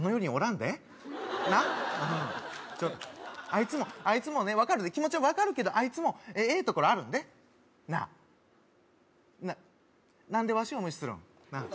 あいつもあいつもね気持ちは分かるけどあいつもええところあるんでなあな何でワシを無視するん？